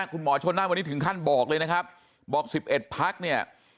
คุณหมอชนน่านวันนี้ถึงขั้นบอกเลยนะครับบอก๑๑พักเนี่ย